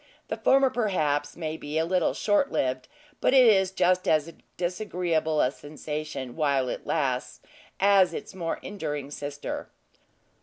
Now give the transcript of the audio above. The former perhaps, may be a little short lived; but it is just as disagreeable a sensation while it lasts as its more enduring sister.